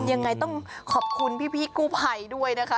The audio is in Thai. ยังไงต้องขอบคุณพี่กู้ภัยด้วยนะคะ